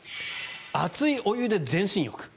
熱いお湯で全身浴。